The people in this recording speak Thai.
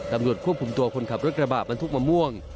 ตำรวจควบคุมตัวคนขับรถกระบะบรรทุกมะม่วง